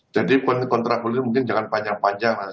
jadi kontrafloh ini mungkin jangan panjang panjang lah